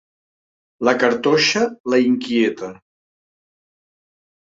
La cartoixa la inquieta.